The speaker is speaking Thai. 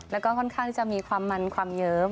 แล้วก็ค่อนข้างจะมีความมันความเยิ้ม